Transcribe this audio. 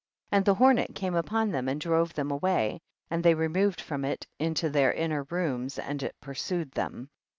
18. And the hornet came upon them and drove them away, and they removed from it uito their inner rooms, and it pursued them.